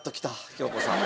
京子さん。